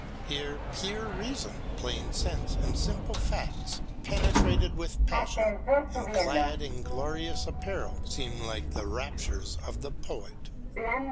Here pure reason, plain sense, and simple facts, penetrated with passion and clad in glorious apparel, seem like the raptures of the poet.